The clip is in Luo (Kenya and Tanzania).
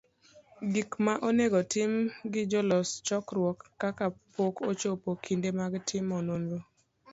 Gik ma onego tim gi jolos chokruok ,Ka pok ochopo kinde mar timo nonro,